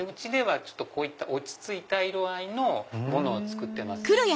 うちは落ち着いた色合いのものを作ってます。